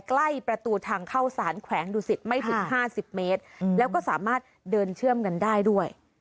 ใกล้ประตูทางเข้าสารแขวงดุสิตไม่ถึง๕๐เมตรแล้วก็สามารถเดินเชื่อมกันได้ด้วย